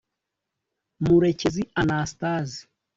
Murekezi Anastase